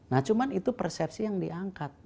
nah cuma itu persepsi yang diangkat